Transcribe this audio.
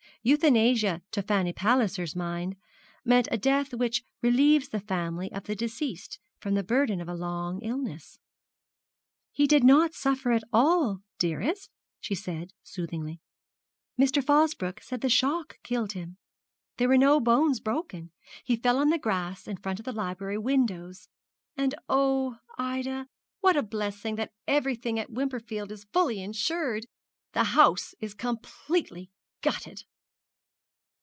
Euthanasia to Fanny Palliser's mind meant a death which relieves the family of the deceased from the burden of a long illness. 'He did not suffer at all, dearest,' she said, soothingly. 'Mr. Fosbroke said the shock killed him. There were no bones broken. He fell on the grass in front of the library windows. And oh, Ida, what a blessing that everything at Wimperfield is fully insured! The house is completely gutted!'